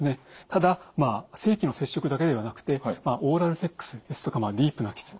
ただ性器の接触だけではなくてオーラルセックスですとかディープなキス。